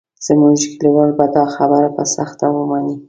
زموږ کلیوال به دا خبره په سخته ومني.